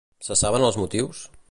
Se saben els motius?